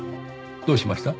どうしました？